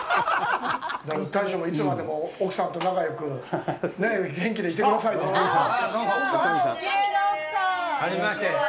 大将もいつまでも奥さんと仲よく元気でいてくださいね。